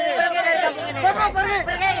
pergi dari kamu ini